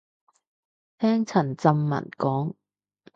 聽陳湛文講